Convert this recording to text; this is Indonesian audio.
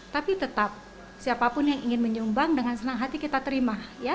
tapi tetap siapapun yang ingin menyumbang dengan senang hati kita terima